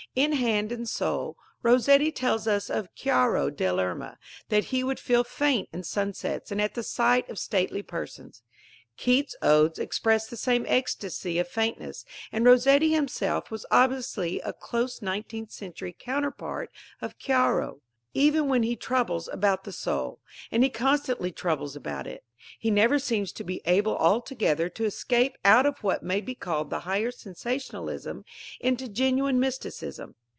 In Hand and Soul, Rossetti tells us of Chiaro dell Erma that "he would feel faint in sunsets and at the sight of stately persons." Keats's Odes express the same ecstasy of faintness, and Rossetti himself was obviously a close nineteenth century counterpart of Chiaro. Even when he troubles about the soul and he constantly troubles about it he never seems to be able altogether to escape out of what may be called the higher sensationalism into genuine mysticism.